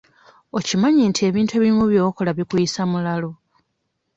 Okimanyi nti ebintu ebimu by'okola bikuyisa mulalu?